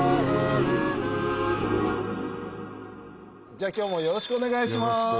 じゃあ今日もよろしくお願いします。